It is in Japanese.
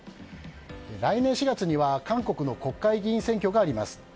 来年４月には韓国の国会議員選挙があります。